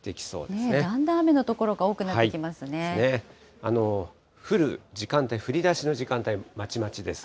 だんだん雨の所が多くなって降る時間帯、降りだしの時間帯、まちまちです。